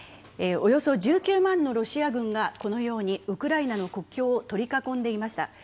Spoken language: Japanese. およそ１９万のロシア軍がこのようにウクライナの国境を取り囲んでいました。